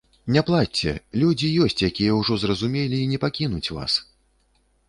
Не плачце, людзі ёсць, якія ўжо зразумелі і не пакінуць вас.